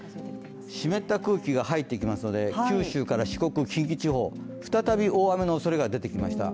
湿った空気が入ってきますので九州から四国、近畿地方再び大雨のおそれが出てきました。